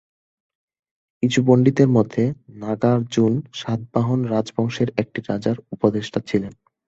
কিছু পন্ডিতের মতে, নাগার্জুন সাতবাহন রাজবংশের এক রাজার উপদেষ্টা ছিলেন।